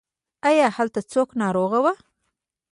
ایا هلته څوک ناروغ و؟